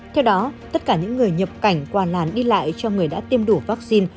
theo đó tất cả những người nhập cảnh qua làn đi lại cho người đã tiêm đủ vaccine